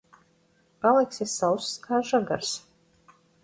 Paliksi sauss kā žagars.